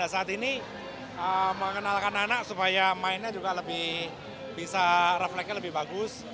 saya ingin mengenalkan anak supaya bisa membuat refleks lebih bagus